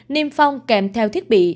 niêm phong kèm theo thiết bị